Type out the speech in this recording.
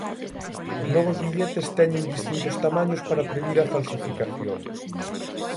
Os novos billetes teñen distintos tamaños para previr a falsificación.